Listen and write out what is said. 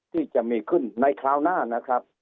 ที่จะมีขึ้นในคราวหน้านะครับ